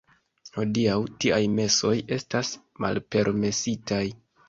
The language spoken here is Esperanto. Hodiaŭ tiaj mesoj estas malpermesitaj.